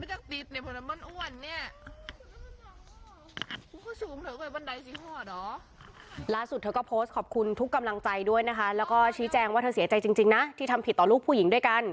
เธอก็โพสต์ขอบคุณทุกกำลังใจด้วยนะคะแล้วก็ชี้แจงว่าเธอเสียใจจริงนะที่ทำผิดต่อลูกผู้หญิงด้วยกัน